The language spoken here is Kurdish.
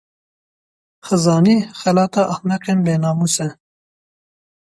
Xizanî, xelata ehmeqên binamûs e.